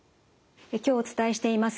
今日お伝えしています